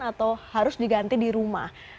atau harus diganti di rumah